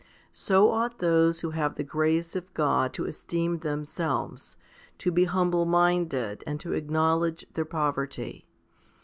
So ought those who have the grace of God to esteem themselves, to be humble minded and to acknowledge their poverty.